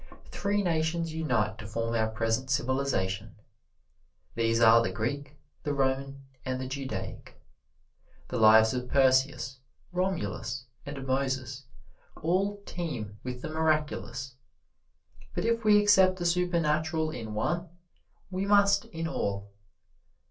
Three nations unite to form our present civilization. These are the Greek, the Roman and the Judaic. The lives of Perseus, Romulus and Moses all teem with the miraculous, but if we accept the supernatural in one we must in all.